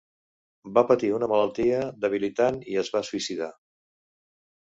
Va patir una malaltia debilitant i es va suïcidar.